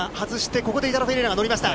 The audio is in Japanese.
ここでイタロ・フェレイラが乗りました。